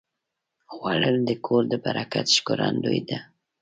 خوړل د کور د برکت ښکارندویي ده